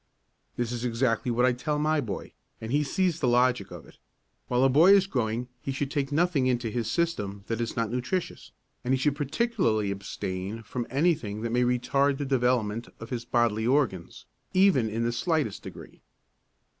This is exactly what I tell my boy, and he sees the logic of it: While a boy is growing he should take nothing into his system that is not nutritious and he should particularly abstain from anything that may retard the development of his bodily organs, even in the slightest degree.